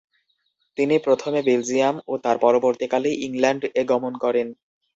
তিনি প্রথমে বেলজিয়াম ও তার পরবর্তীকালে ইংল্যান্ড -এ গমন করেন।